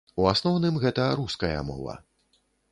У асноўным гэта руская мова.